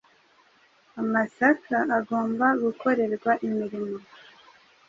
amasaka agomba gukorerwa imirimo